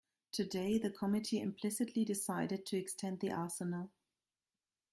Today the committee implicitly decided to extend the arsenal.